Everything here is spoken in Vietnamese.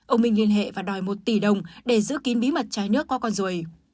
ông minh liên hệ và đòi một tỷ đồng để giữ kín bí mật trái nước có con ruồi